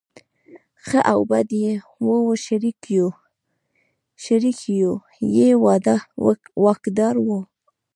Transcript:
ښه او بد یې وو شریک یو یې واکدار و.